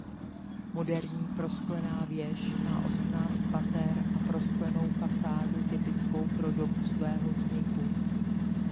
Moderní prosklená věž má osmnáct pater a prosklenou fasádu typickou pro dobu svého vzniku.